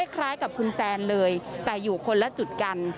คล้ายกับคุณแซนเลยแต่อยู่คนละจุดกัน